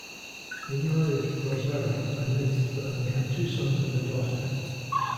He married Rosario, a native, and they had two sons and a daughter.